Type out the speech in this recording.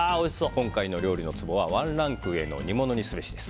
今回の料理のツボはワンランク上の煮物にすべしです。